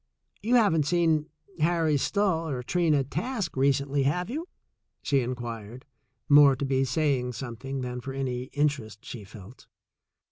You haven't seen Harry Stull or Trina Task recently, have you ?" she inquired, more to be saying something than for any interest she felt.